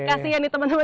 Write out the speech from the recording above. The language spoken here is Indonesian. kasian nih teman teman